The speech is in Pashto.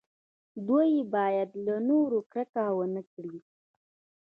دوی باید له نورو کرکه ونه کړي.